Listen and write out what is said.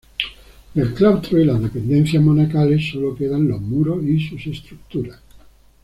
Del claustro y las dependencias monacales solo quedan los muros y sus estructuras.